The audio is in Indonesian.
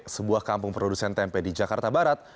sebuah kampung produsen tempe di jakarta barat